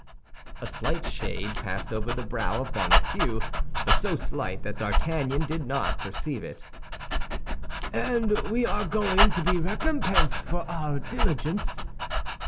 A slight shade passed over the brow of Bonacieux, but so slight that D'Artagnan did not perceive it. "And we are going to be recompensed for our diligence?"